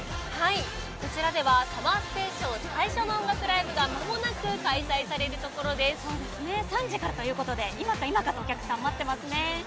こちらではＳＵＭＭＥＲＳＴＡＴＩＯＮ最初の音楽ライブが３時からということで今か今かとお客さん待ってますね。